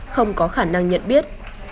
không có khả năng nhận biết